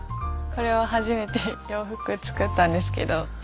これは初めて洋服作ったんですけど。